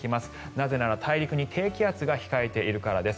なぜなら大陸に低気圧が控えているからです。